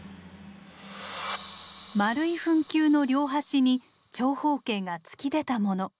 丸い墳丘の両端に長方形が突き出たもの。